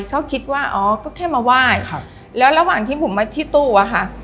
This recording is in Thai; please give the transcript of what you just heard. เขาคิดว่าอ๋อก็แค่มาไหว้ครับแล้วระหว่างที่ผมมาที่ตู้อะค่ะ